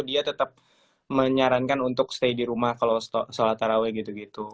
dia tetap menyarankan untuk stay di rumah kalau sholat taraweh gitu gitu